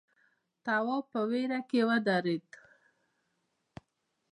تواب په وېره کې ودرېد.